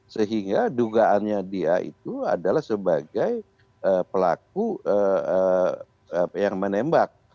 sehingga dugaannya dia itu adalah sebagai pelaku yang menembak